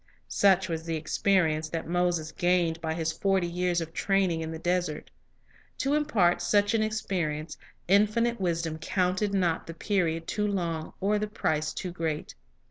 Such was the experience that Moses gained by his forty years of training in the desert. To impart such an experience, Infinite Wisdom counted not the period too long or the price too great.